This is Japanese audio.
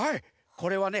これはね